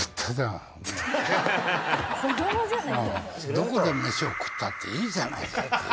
どこで飯を食ったっていいじゃないかっていう。